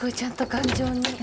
頑丈に。